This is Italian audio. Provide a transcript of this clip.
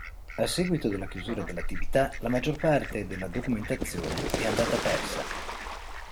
A seguito della chiusura dell'attività, la maggior parte della documentazione è andata persa.